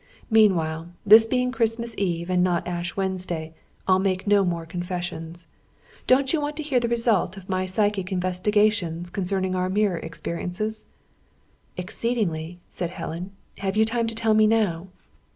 Meanwhile, this being Christmas Eve and not Ash Wednesday, I'll make no more confessions. Don't you want to hear the result of my psychic investigations, concerning our mirror experiences?" "Exceedingly," said Helen. "Have you time to tell me now?"